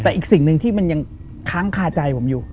แต่อีกสิ่งหนึ่งที่มันยังค้างคาใจผมอยู่